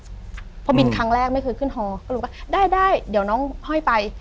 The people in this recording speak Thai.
เพราะบินครั้งแรกไม่เคยขึ้นฮอก็เลยบอกว่าได้ได้เดี๋ยวน้องห้อยไป